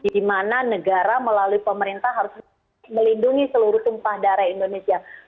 di mana negara melalui pemerintah harus melindungi seluruh tumpah darah indonesia